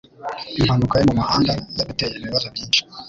Impanuka yo mumuhanda yaduteye ibibazo byinshi.